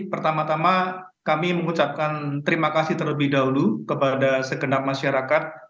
pertama tama kami mengucapkan terima kasih terlebih dahulu kepada segenap masyarakat